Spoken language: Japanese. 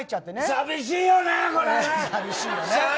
寂しいよね。